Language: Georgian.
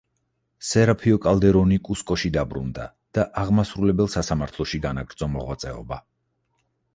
სერაფიო კალდერონი კუსკოში დაბრუნდა და აღმასრულებელ სასამართლოში განაგრძო მოღვაწეობა.